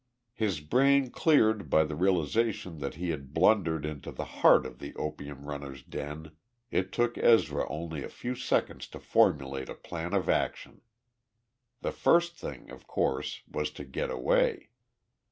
His brain cleared by the realization that he had blundered into the heart of the opium runners' den, it took Ezra only a few seconds to formulate a plan of action. The first thing, of course, was to get away.